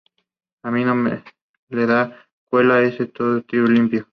A mí no me la cuela, ese no es trigo limpio